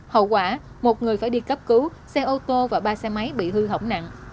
hậu quả một người phải đi cấp cứu xe ô tô và ba xe máy bị hư hỏng nặng